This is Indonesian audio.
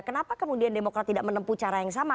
kenapa kemudian demokrat tidak menempuh cara yang sama